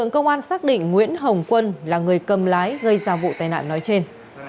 công an xác định nguyễn hồng quân là người cầm lái gây ra vụ tai nạn nói trên